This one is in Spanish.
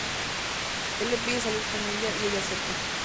Él le pide salir con ella, y ella acepta.